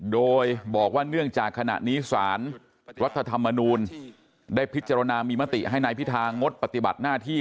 โดยบอกว่าเนื่องจากขณะนี้สารรัฐธรรมนูลได้พิจารณามีมติให้นายพิธางดปฏิบัติหน้าที่